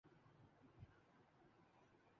آگے ہوتا ہے۔